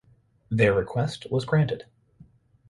Their request was granted.